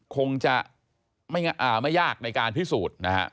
คงจะไม่ยากในการพิสูจน์นะฮะ